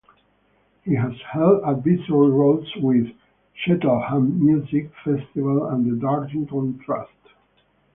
He has held advisory roles with Cheltenham Music Festival and the Dartington Trust.